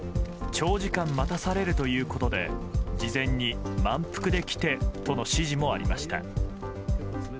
長時間待たされるということで事前に満腹で来てとの指示もありました。